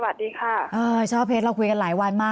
วันเนี้ยที่ไปที่ภาค๖เนี้ยมีความคืมหน้าอะไรมา